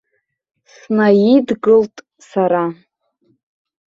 Снаидгылт сара.